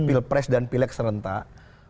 pilpres dan pilek serentak